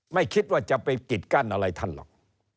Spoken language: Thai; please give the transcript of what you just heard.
ไม่คิดว่าจะไปปิดกั้นอะไรท่านหรอก